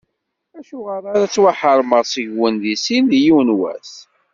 Acuɣer ara ttwaḥeṛmeɣ seg-wen di sin, deg yiwen n wass?